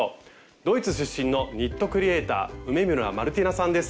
ドイツ出身のニットクリエーター梅村マルティナさんです。